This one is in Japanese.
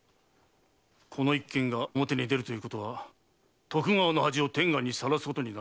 この一件が表に出ることは徳川の恥を天下に晒すことになるのだ。